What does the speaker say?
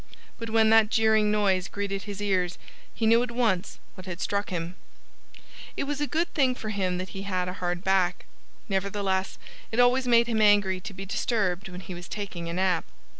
But when that jeering noise greeted his ears he knew at once what had struck him. It was a good thing for him that he had a hard back. Nevertheless it always made him angry to be disturbed when he was taking a nap.